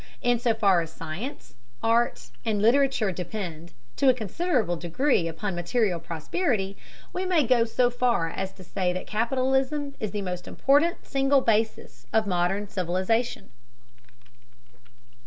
In so far as science, art, and literature depend, to a considerable degree, upon material prosperity, we may go so far as to say that capitalism is the most important single basis of modern civilization.